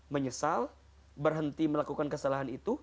menyesal berhenti melakukan kesalahan itu